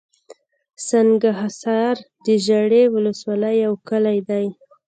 سنګحصار دژړۍ ولسوالۍ يٶ کلى دئ